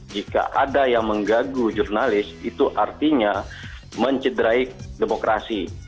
jika ada yang menggagu jurnalis itu artinya mencederai demokrasi